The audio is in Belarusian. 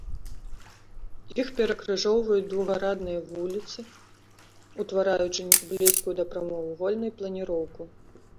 Іх перакрыжоўваюць другарадныя вуліцы, утвараючы блізкую да прамавугольнай планіроўку.